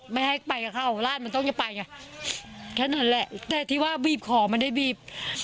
ไม่ให้ไปกับเขาลาดมันต้องจะไปไงแค่นั้นแหละแต่ที่ว่าบีบคอมันได้บีบ